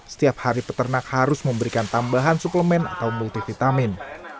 setiap hari peternak harus memberikan tambahan suplemen atau multivitamin